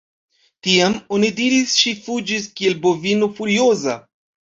Tiam, oni diris ŝi fuĝis kiel bovino furioza.